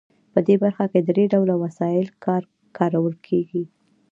په دې برخه کې درې ډوله وسایل کارول کیږي.